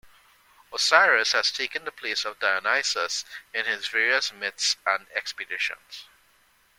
Osiris has taken the place of Dionysus in his various myths and expeditions.